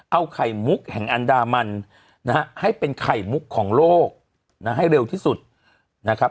เอาไข่มุกแห่งอันดามันนะฮะให้เป็นไข่มุกของโลกนะให้เร็วที่สุดนะครับ